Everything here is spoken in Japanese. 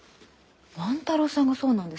万太郎さんがそうなんですか？